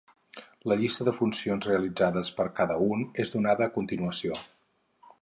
La llista de funcions realitzades per cada un és donada a continuació.